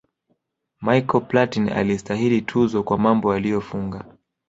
michael platin alistahili tuzo kwa mambo aliyofunga